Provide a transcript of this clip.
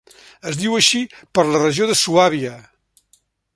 Es diu així per la regió de Suàbia.